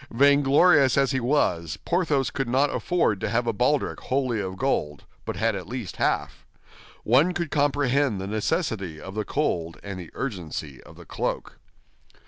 Vainglorious as he was, Porthos could not afford to have a baldric wholly of gold, but had at least half. One could comprehend the necessity of the cold and the urgency of the cloak.